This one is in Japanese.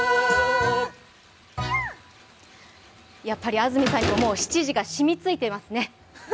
やっぱり安住さんには７時が染みついていますね。